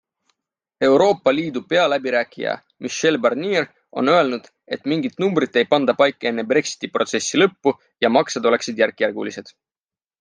Euroopa Liidu pealäbirääkija Michel Barnier on öelnud, et mingit numbrit ei panda paika enne Brexiti-protsessi lõppu ja maksed oleksid järkjärgulised.